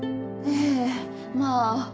ええまぁ。